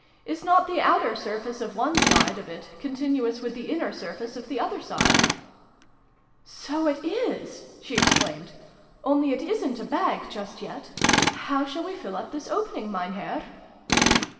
"Is not the outer surface of one side of it continuous with the inner surface of the other side ?" "So it is!" she exclaimed. " Only it isrit a bag, just yet. How shall we fill up this opening, Mein Herr?"